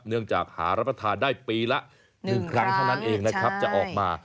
เนื่องจากหารับประทานได้ปีละ๑ครั้งเท่านั้นเองนะครับจะออกมา